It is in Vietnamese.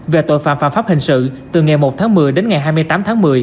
về tội phạm phạm pháp hình sự từ ngày một tháng một mươi đến ngày hai mươi tám tháng một mươi